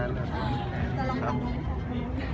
นี่คือทางใดหรือ